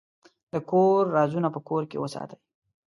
د کور رازونه په کور کې وساتئ.